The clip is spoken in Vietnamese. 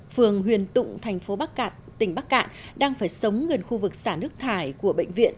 phường huyền tụng thành phố bắc cạn tỉnh bắc cạn đang phải sống gần khu vực xả nước thải của bệnh viện